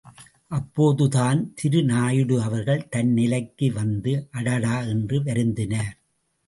அப்போதுதான் திரு நாயுடு அவர்கள் தன்நிலைக்கு வந்து, அடடா என்று வருந்தினார்.